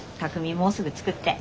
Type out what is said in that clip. もうすぐ着くって。